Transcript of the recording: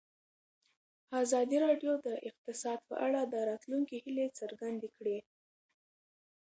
ازادي راډیو د اقتصاد په اړه د راتلونکي هیلې څرګندې کړې.